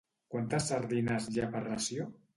Quantes sardines hi ha per ració?